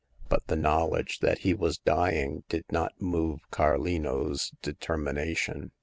but the knowledge that he was dying did not move Cadino's determination.